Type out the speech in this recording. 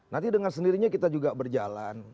nanti dengan sendirinya kita juga berjalan